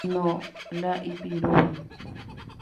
No, la ipirúva.